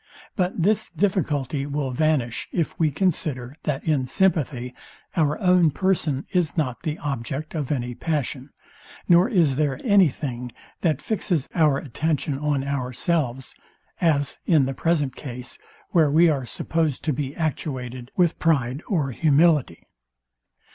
But this difficulty will vanish, if we consider that in sympathy our own person is not the object of any passion, nor is there any thing, that fixes our attention on ourselves; as in the present case, where we are supposed to be actuated with pride or humility.